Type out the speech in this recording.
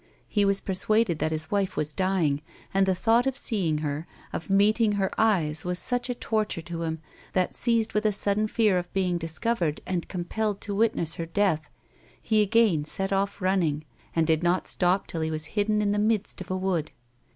He was persuaded that his wife was dying, and the thought of seeing her, of meeting her eyes was such torture to him, that, seized with a sudden fear 188 A WOMAN'S LIFE. of being discovered and compelled to witness her death, he again set off running, and did not stop till he was hidden in the midst of a wood.